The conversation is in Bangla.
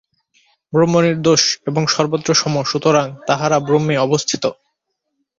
ব্রহ্ম নির্দোষ এবং সর্বত্র সম, সুতরাং তাঁহারা ব্রহ্মে অবস্থিত।